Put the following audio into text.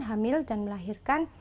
hamil dan melahirkan